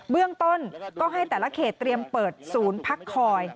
เบื้องต้นก็ให้แต่ละเขตเตรียมเปิดศูนย์พักคอย